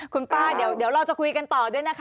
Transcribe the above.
คุณป้าเดี๋ยวเราจะคุยกันต่อด้วยนะคะ